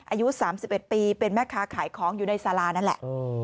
อายุ๓๑ปีเป็นแม่ค้าขายของอยู่ในสารานั่นแหละ